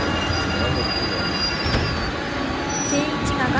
何だっていいだろ。